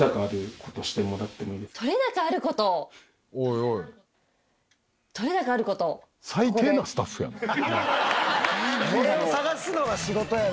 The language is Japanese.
これを探すのが仕事やろ。